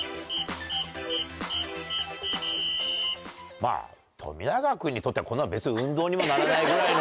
まぁ冨永君にとってはこんなの別に運動にもならないぐらいの。